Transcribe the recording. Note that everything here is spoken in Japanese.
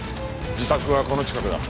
自宅はこの近くだ。